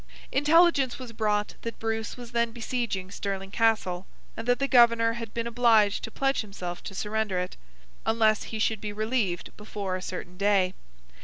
Intelligence was brought that Bruce was then besieging Stirling Castle, and that the Governor had been obliged to pledge himself to surrender it, unless he should be relieved before a certain day.